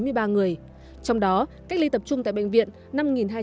trong đó cách ly tập trung tại bệnh viện năm hai trăm hai mươi hai người